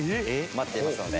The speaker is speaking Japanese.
待っていますので。